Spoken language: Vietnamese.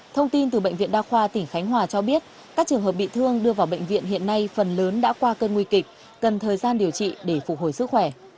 thông tin từ bệnh viện đa khoa tỉnh khánh hòa cho biết các trường hợp bị thương đưa vào bệnh viện hiện nay phần lớn đã qua cơn nguy kịch cần thời gian điều trị để phục hồi sức khỏe